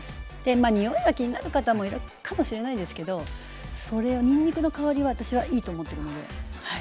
まあにおいが気になる方もいるかもしれないですけどにんにくの香りは私はいいと思ってるのではい。